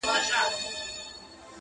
نور کارونه هم لرم درڅخه ولاړم!.